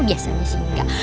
biasanya sih nggak